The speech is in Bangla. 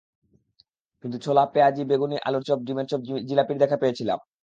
কিন্তু ছোলা, পেঁয়াজি, বেগুনি, আলুর চপ, ডিমের চপ, জিলাপির দেখা পেয়েছিলাম।